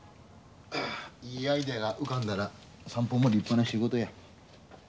いいアイデアが浮かんだら散歩も立派な仕事や。